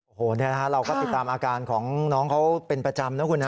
โอ้โหเราก็ติดตามอาการของน้องเขาเป็นประจำนะคุณฮะ